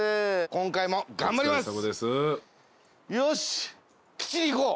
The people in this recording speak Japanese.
今回も頑張ります。